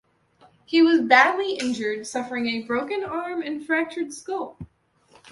He was badly injured, suffering a broken arm and fractured skull.